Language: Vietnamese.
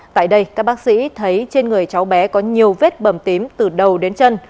tại đây các bác sĩ thấy trên người cháu bé có nhiều vết bầm tím từ đầu đến chân